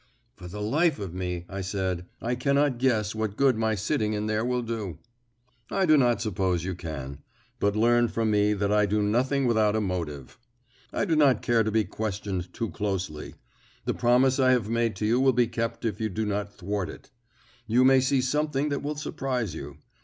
"For the life of me," I said, "I cannot guess what good my sitting in there will do." "I do not suppose you can; but learn from me that I do nothing without a motive. I do not care to be questioned too closely. The promise I have made to you will be kept if you do not thwart it. You may see something that will surprise you.